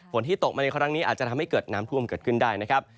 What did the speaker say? ที่ตกมาในครั้งนี้อาจจะทำให้เกิดน้ำท่วมเกิดขึ้นได้นะครับ